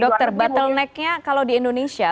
dokter bottleneck nya kalau di indonesia